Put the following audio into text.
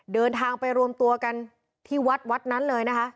เดินทางไปรวมตัวกันที่วัดวัดนั้นเลยนะคะ